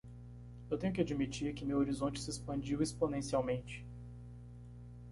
Eu tenho que admitir que meu horizonte se expandiu exponencialmente.